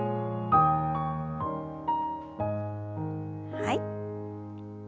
はい。